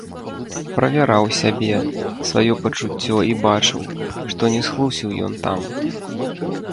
Правяраў сябе, сваё пачуццё і бачыў, што не схлусіў ён там.